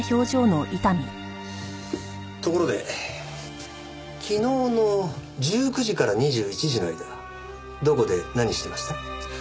ところで昨日の１９時から２１時の間どこで何してました？